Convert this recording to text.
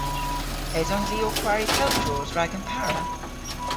Esons i ow kwari pel droos rag an para?